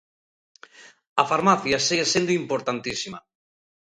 A farmacia segue sendo importantísima.